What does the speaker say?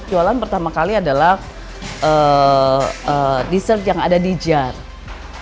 jualan pertama kali adalah dessert yang ada di jar